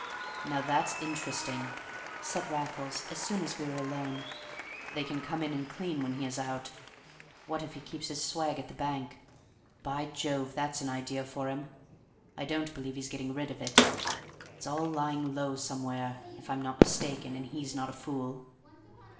"Now that's interesting," said Raffles, as soon as we were alone; "they can come in and clean when he is out. What if he keeps his swag at the bank? By Jove, that's an idea for him! I don't believe he's getting rid of it; it's all lying low somewhere, if I'm not mistaken, and he's not a fool."